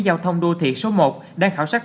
giao thông đô thị số một đang khảo sát